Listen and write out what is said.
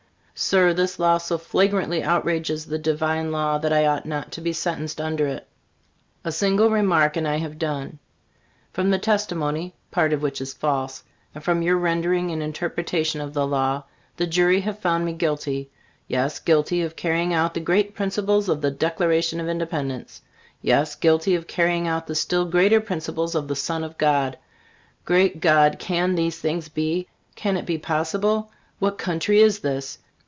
Sir, this law so flagrantly outrages the divine law, that I ought not to be sentenced under it. A single remark, and I have done. From the testimony, (part of which is false,) and from your rendering and interpretation of the law, the jury have found me guilty; yes, guilty of carrying out the great principles of the Declaration of Independence; yes, guilty of carrying out the still greater principles of the Son of God. Great God! can these things be? Can it be possible? What country is this?